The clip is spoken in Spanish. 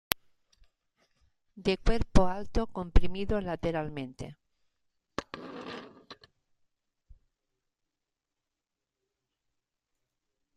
De cuerpo alto comprimido lateralmente.